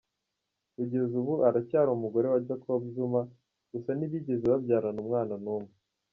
Kugeza ubu uyu aracyari umugore wa Jacob Zuma, gusa ntibigeze babyarana umwana n’umwe.